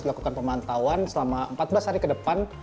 dilakukan pemantauan selama empat belas hari ke depan